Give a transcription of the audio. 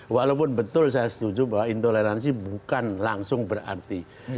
walaupun betul saya setuju bahwa intoleransi bukan langsung berarti